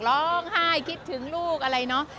ร้องไห้คิดถึงลูกอะไรเนอะ